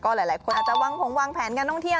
ก็หลายคนอาจจะวางแผนการท่องเที่ยว